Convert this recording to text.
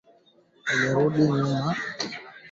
Hatua za kupika mkate wa viazi lishe